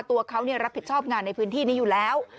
ตัวเขารับผิดชอบงานในพื้นที่นี้อยู่แล้ว